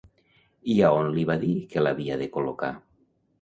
I a on li va dir que l'havia de col·locar?